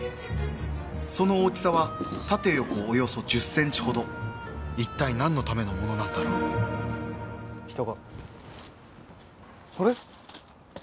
その大きさは縦横およそ１０ｃｍほど一体何のためのものなんだろう人があれ？